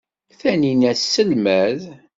Taninna tesselmad.